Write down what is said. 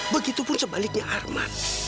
begitupun sebaliknya arman